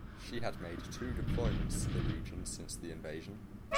She has made two deployments to the region since the invasion.